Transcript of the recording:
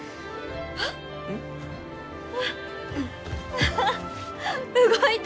アハ動いた！